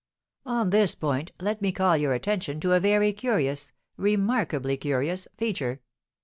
On this point let me call your attention to a very curious, remarkably curious, feature.